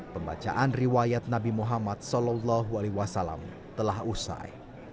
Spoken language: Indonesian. pembacaan riwayat nabi muhammad saw telah usai